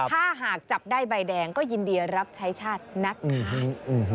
ถ้าหากจับได้ใบแดงก็ยินดีรับใช้ชาตินักขาย